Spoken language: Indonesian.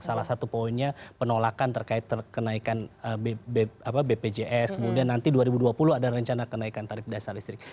salah satu poinnya penolakan terkait kenaikan bpjs kemudian nanti dua ribu dua puluh ada rencana kenaikan tarif dasar listrik